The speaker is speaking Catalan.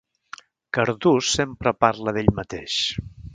Cardús sempre parla d'ell mateix.